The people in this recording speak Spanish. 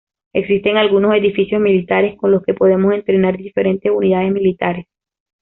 Existen algunos edificios militares con los que podemos entrenar diferentes unidades militares.